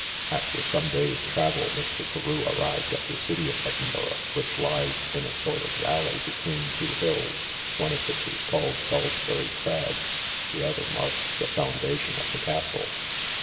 After some days travel, Mr. Carew arrived at the city of Edinburgh, which lies in a sort of a valley, between two hills, one of which is called Salisbury Crags, the other marks the foundation of the castle.